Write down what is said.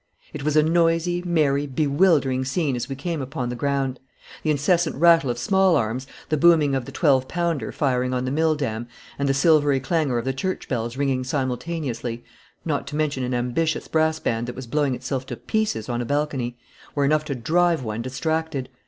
It was a noisy, merry, bewildering scene as we came upon the ground. The incessant rattle of small arms, the booming of the twelve pounder firing on the Mill Dam, and the silvery clangor of the church bells ringing simultaneously not to mention an ambitious brass band that was blowing itself to pieces on a balcony were enough to drive one distracted.